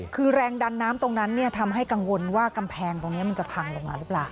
คือแรงดันน้ำตรงนั้นทำให้กังวลว่ากำแพงตรงนี้มันจะพังลงมาหรือเปล่า